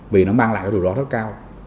vì nó mang lại rủi ro rất cao